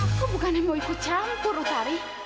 aku bukan yang mau ikut campur usari